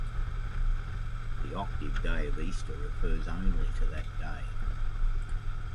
The Octave Day of Easter refers only to that day.